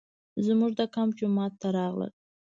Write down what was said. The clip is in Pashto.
زموږ د کمپ جومات ته راغلل.